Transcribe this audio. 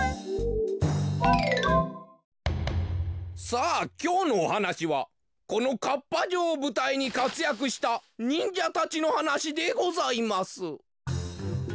さあきょうのおはなしはこのかっぱ城をぶたいにかつやくしたにんじゃたちのはなしでございます。